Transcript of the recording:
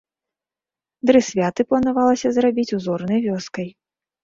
Дрысвяты планавалася зрабіць узорнай вёскай.